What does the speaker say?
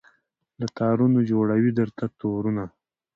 له تارونو جوړوي درته تورونه